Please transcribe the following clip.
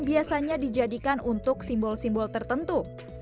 biasanya dijadikan untuk simbol simbol tertentu